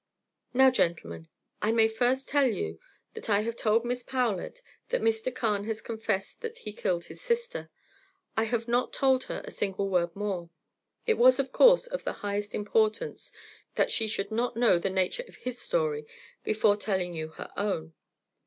"Now, gentlemen, I may tell you first that I have told Miss Powlett that Mr. Carne has confessed that he killed his sister. I have not told her a single word more. It was, of course, of the highest importance that she should not know the nature of his story before telling you her own.